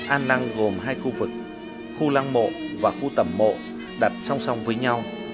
an lăng gồm hai khu vực khu lăng mộ và khu tầm mộ đặt song song với nhau